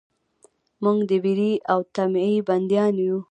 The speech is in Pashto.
موږ د ویرې او طمعې بندیان یو.